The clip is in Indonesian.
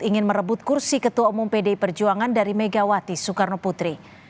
ingin merebut kursi ketua umum pdi perjuangan dari megawati soekarno putri